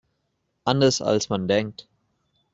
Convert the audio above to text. Anders als man denkt.